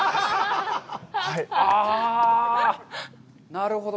なるほど。